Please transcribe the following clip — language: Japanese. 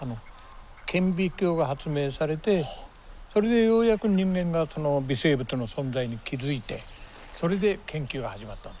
顕微鏡が発明されてそれでようやく人間が微生物の存在に気付いてそれで研究が始まったの。